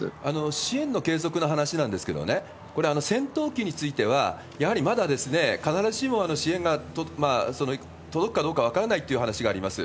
支援の継続の話なんですけれども、これ、戦闘機については、やはりまだ、必ずしも支援が届くかどうか分からないという話があります。